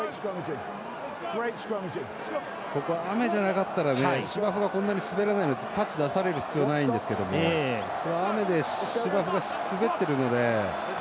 雨じゃなかったら、芝生がこんなに滑らないのでタッチ出される必要ないんですけど雨で芝生が滑ってるので。